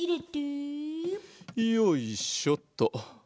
よいしょっと。